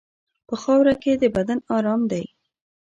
په خاوره کې د بدن ارام دی.